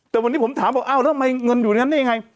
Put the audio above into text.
แต่วันนี้ผมถามบอกอ้าวแล้วทำไมเงินอยู่ในนั้นได้ยังไง